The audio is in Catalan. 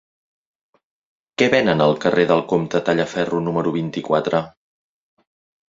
Què venen al carrer del Comte Tallaferro número vint-i-quatre?